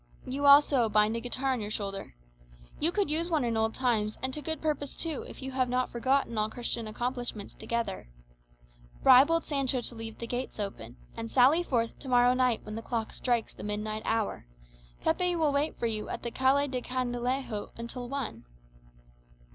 You, also, bind a guitar on your shoulder (you could use one in old times, and to good purpose too, if you have not forgotten all Christian accomplishments together); bribe old Sancho to leave the gates open, and sally forth to morrow night when the clock strikes the midnight hour. Pepe will wait for you in the Calle del Candilejo until one."